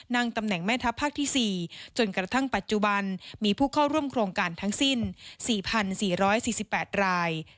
ตำแหน่งแม่ทัพภาคที่๔จนกระทั่งปัจจุบันมีผู้เข้าร่วมโครงการทั้งสิ้น๔๔๔๘ราย